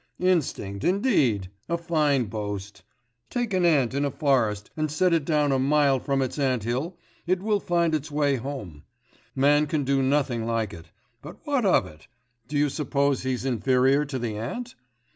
Instinct, indeed! A fine boast. Take an ant in a forest and set it down a mile from its ant hill, it will find its way home; man can do nothing like it; but what of it? do you suppose he's inferior to the ant?